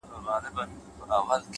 مینه نړۍ ښکلا کوي،